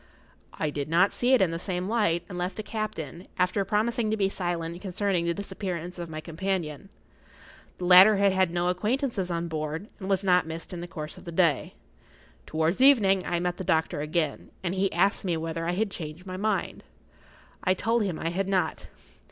I did not see it in the same light, and left the captain, after promising to be silent concerning the disappearance of my companion. The latter had had no acquaintances on board, and was not missed in the course of the day. Towards evening I met the[Pg 35] doctor again, and he asked me whether I had changed my mind. I told him I had not.